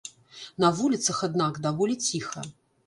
На вуліцах, аднак, даволі ціха.